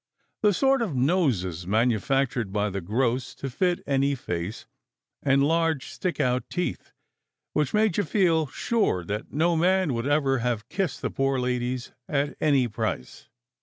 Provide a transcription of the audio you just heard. the sort of noses manufactured by the gross to fit any face, and large stick out teeth, which made you feel sure that no man would ever have kissed the poor ladies at any price.